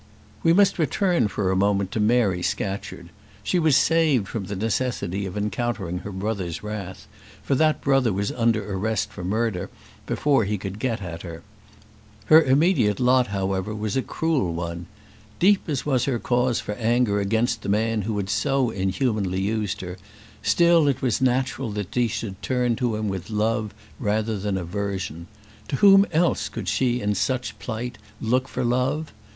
We must return for a moment to Mary Scatcherd. She was saved from the necessity of encountering her brother's wrath, for that brother was under arrest for murder before he could get at her. Her immediate lot, however, was a cruel one. Deep as was her cause for anger against the man who had so inhumanly used her, still it was natural that she should turn to him with love rather than with aversion. To whom else could she in such plight look for love?